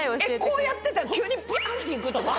こうやってたら急にぴょん！って行くってこと？